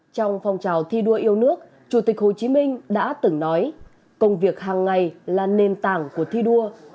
trong phong trào thi đua yêu nước chủ tịch hồ chí minh đã từng nói công việc hàng ngày là nền tảng của thi đua